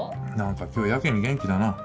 何か今日やけに元気だな。